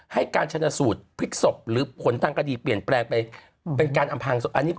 ให้การชนะสูตรพลิกศพหรือผลทางคดีเปลี่ยนแปลงไปเป็นการอำพางศพ